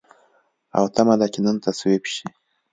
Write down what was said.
او تمه ده چې نن تصویب شي.